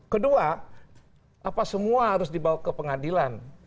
kedua apa semua harus dibawa ke pengadilan